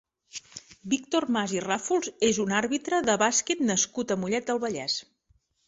Víctor Mas i Ràfols és un àrbitre de basquet nascut a Mollet del Vallès.